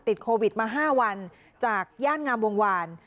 ติดโควิดมา๕วันจากย่านงามวงวาน